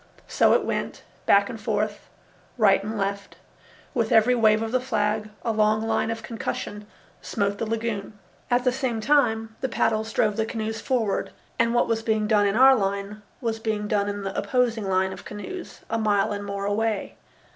So it went, back and forth, right and left; with every wave of the flag a long line of concussion smote the lagoon. At the same time the paddles drove the canoes forward and what was being done in our line was being done in the opposing line of canoes a mile and more away.